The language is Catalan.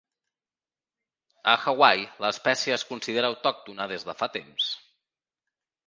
A Hawaii l'espècie es considera autòctona des de fa temps.